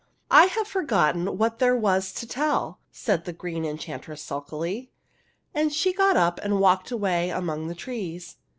" I have forgotten what there was to tell," said the Green Enchantress, sulkily ; and she got up and walked away among the trees.